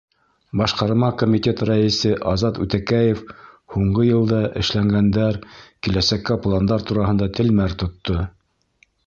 Башҡарма комитет рәйесе Азат Үтәкәев һуңғы йылда эшләнгәндәр, киләсәккә пландар тураһында телмәр тотто.